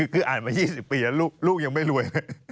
คืออ่านมา๒๐ปีแล้วลูกยังไม่รวยเลย